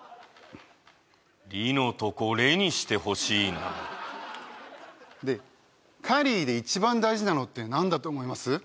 「リ」のとこ「レ」にしてほしいなでカリーで一番大事なのって何だと思います？